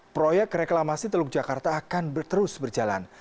proyek reklamasi teluk jakarta akan terus berjalan